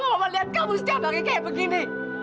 mama lihat kamu setiap hari kayak begini